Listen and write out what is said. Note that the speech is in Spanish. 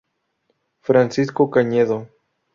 Francisco Cañedo.